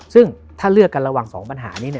ซึ่งถ้าเลือกกันระหว่าง๒ปัญหานี้